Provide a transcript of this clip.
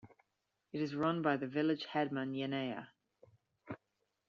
It is run by the village headman Yeneya.